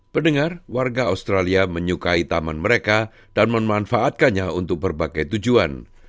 pendengar warga australia menyukai taman mereka dan memanfaatkannya untuk berbagai tujuan